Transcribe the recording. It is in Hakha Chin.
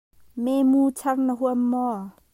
Memu char na huam maw?